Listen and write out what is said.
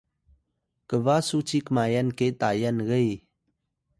kba su ci kmayan ke Tayal gey!